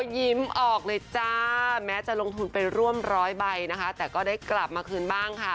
ยิ้มออกเลยจ้าแม้จะลงทุนไปร่วมร้อยใบนะคะแต่ก็ได้กลับมาคืนบ้างค่ะ